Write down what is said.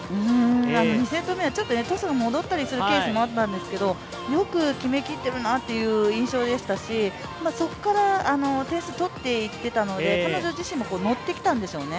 ２セット目はトスが戻ったりするケースもあったんですけど、よく決めきっているなという印象でしたし、そこから点数を取っていってたので彼女自身も乗ってきているんでしょうね。